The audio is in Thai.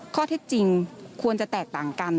ข้อเท็จจริงควรจะแตกต่างกัน